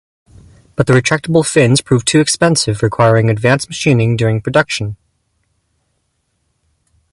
But the retractable fins proved too expensive, requiring advanced machining during production.